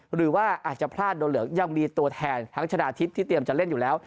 หรือว่าอาจจะพลาดโดนเหลืองยังมีตัวแทนทั้งชนะทิพย์ที่เตรียมจะเล่นอยู่แล้ว